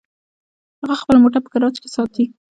هغه خپل موټر په ګراج کې ساتي